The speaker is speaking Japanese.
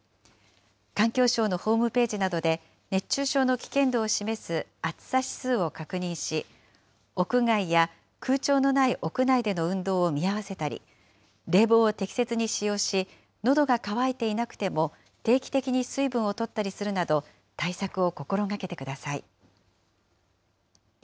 環境省のホームページなどで、熱中症の危険度を示す暑さ指数を確認し、屋外や空調のない屋内での運動を見合わせたり、冷房を適切に使用し、のどが渇いていなくても、定期的に水分をとったりするなど、対策を心がけてください。